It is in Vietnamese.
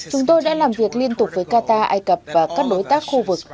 chúng tôi đã làm việc liên tục với qatar ai cập và các đối tác khu vực